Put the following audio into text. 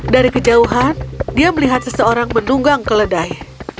dari kejauhan dia melihat seseorang menunggang keledai